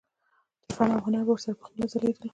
چې فن او هنر به يې ورسره پخپله ځليدلو